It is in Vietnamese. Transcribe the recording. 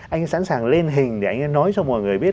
anh ấy sẵn sàng lên hình để anh ấy nói cho mọi người biết